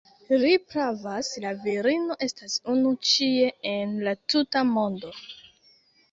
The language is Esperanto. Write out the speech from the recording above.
Li pravas. La virino estas unu ĉie en la tuta mondo